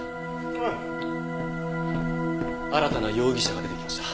新たな容疑者が出てきました。